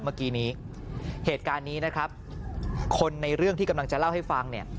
เมื่อกี้นี้เหตุการณ์นี้นะครับคนในเรื่องที่กำลังจะเล่าให้ฟังเนี่ย